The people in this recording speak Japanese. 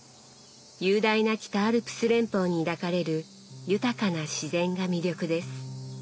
雄大な北アルプス連峰に抱かれる豊かな自然が魅力です。